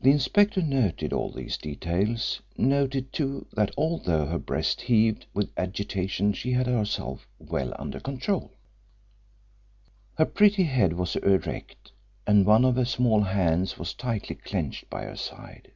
The inspector noted all these details; noted, too, that although her breast heaved with agitation she had herself well under control; her pretty head was erect, and one of her small hands was tightly clenched by her side.